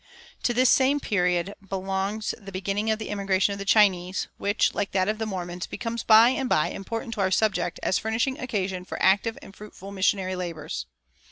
[335:1] To this same period belongs the beginning of the immigration of the Chinese, which, like that of the Mormons, becomes by and by important to our subject as furnishing occasion for active and fruitful missionary labors.